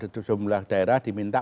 jumlah daerah diminta